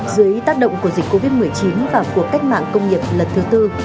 dưới tác động của dịch covid một mươi chín và cuộc cách mạng công nghiệp lần thứ tư